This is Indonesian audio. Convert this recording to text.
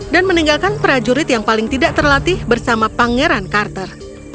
dan meninggalkan prajurit yang paling tidak terlatih bersama pangeran carter